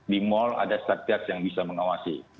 di mal ada satgas yang bisa mengawasi